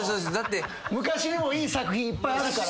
昔でもいい作品いっぱいあるから。